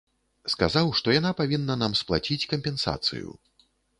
Сказаў, што яна павінна нам сплаціць кампенсацыю.